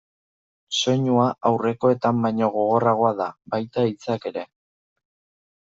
Soinua aurrekoetan baino gogorragoa da, baita hitzak ere.